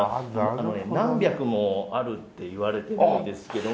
何百もあるっていわれてるんですけども。